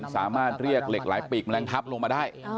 สามารถเรียกเหล็กหลายปีกแมลงทับลงมาได้